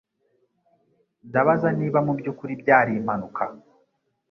Ndabaza niba mubyukuri byari impanuka.